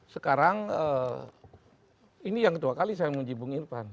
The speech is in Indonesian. sekarang ini yang kedua kali saya mengunjungi irfan